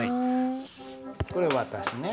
これ私ね。